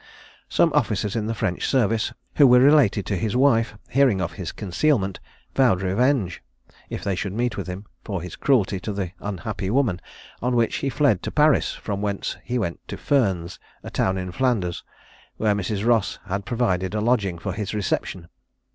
Some officers in the French service, who were related to his wife, hearing of his concealment, vowed revenge, if they should meet with him, for his cruelty to the unhappy woman: on which he fled to Paris, from whence he went to Furnes, a town in Flanders, where Mrs. Ross had provided a lodging for his reception.